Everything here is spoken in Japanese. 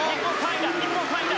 日本は３位だ。